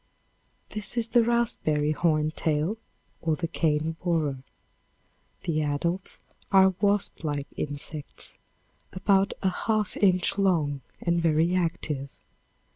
This is the raspberry horn tail, or the cane borer. The adults are wasp like insects about a half inch long and very active.